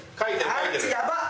やばっ！